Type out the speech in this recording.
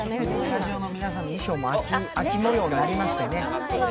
スタジオの皆さんの衣装も秋もようになりましたね。